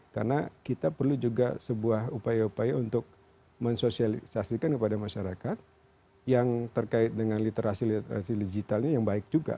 karena kita perlu juga sebuah upaya upaya untuk mensosialisasikan kepada masyarakat yang terkait dengan literasi literasi digitalnya yang baik juga